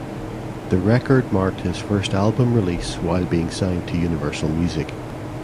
The record marked his first album release while being signed to Universal Music.